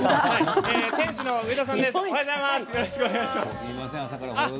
店主の上田さんです。